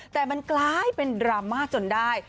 แต่มันกลายเป็นดราม่าจนได้